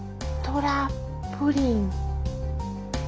トラプリン。